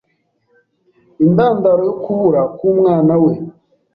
indandaro yo kubura k’umwana we